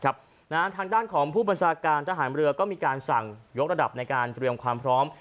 ทางด้านของผู้บัญชาการทหารเรือก็มีการสั่งยกระดับในการเตรียมความพร้อม